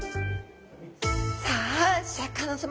さあシャーク香音さま